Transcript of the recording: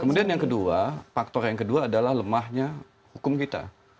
kemudian yang kedua faktor yang kedua adalah lemahnya hukum kita